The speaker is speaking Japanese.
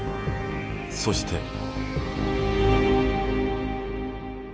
そして。